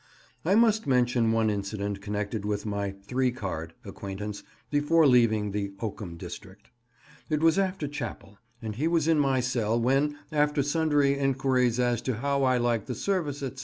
I must mention one incident connected with my "three card" acquaintance before leaving the oakum district. It was after chapel, and he was in my cell, when, after sundry enquiries as to how I liked the service, etc.